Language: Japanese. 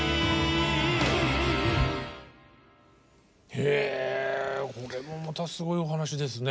へえこれもまたすごいお話ですね。